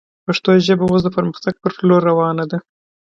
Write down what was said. پښتو ژبه اوس د پرمختګ پر لور روانه ده